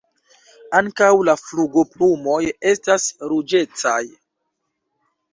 Ankaŭ la flugoplumoj estas ruĝecaj.